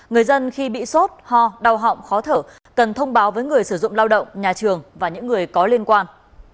người dân khi bị sốt ho đau họng khó thở cần thông báo với người sử dụng lao động nhà trường và những người có liên quan